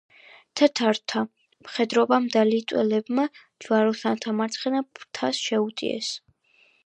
თათართა მხედრობამ და ლიტველებმა ჯვაროსანთა მარცხენა ფრთას შეუტიეს.